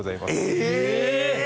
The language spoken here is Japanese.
え！